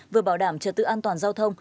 vừa bảo đảm trật tự an toàn giao thông